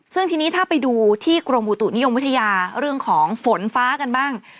ซึ่งทีนี้ถ้าไปดูที่กรมอุตุนิยมวิทยาเรื่องของฝนฟ้ากันบ้าง